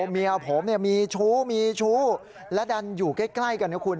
เมียผมมีชู้มีชู้และดันอยู่ใกล้กันนะคุณ